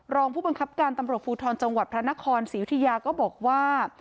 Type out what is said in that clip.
รองผู้บังคับการตำรวจภูทรจังหวัดพระนครศรียุธยาก็บอกว่า